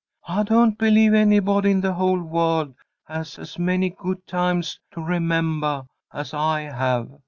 I don't believe anybody in the whole world has as many good times to remembah as I have.